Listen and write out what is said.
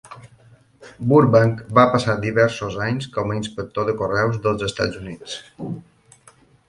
Burbank va passar diversos anys com a inspector de correus dels Estats Units.